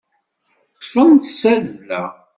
Ṭṭfen-tt s tazzla.